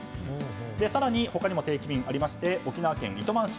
更に、他にも定期便があって沖縄県糸満市。